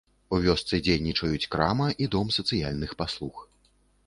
У вёсцы дзейнічаюць крама і дом сацыяльных паслуг.